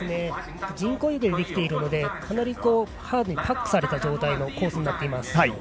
人工雪でできているのでかなりハードにタップされたコースになっています。